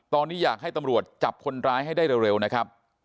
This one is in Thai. ตอนนี้อยากให้ตำรวจจับคนร้ายให้ได้เร็วนะครับ